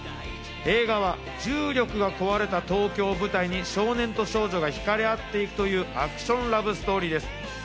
映画は重力が壊れた東京を舞台に、少年と少女がひかれ合っていくというアクションラブストーリーです。